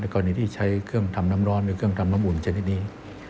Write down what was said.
กรณีที่ใช้เครื่องทำน้ำร้อนหรือเครื่องทำน้ำอุ่นชนิดนี้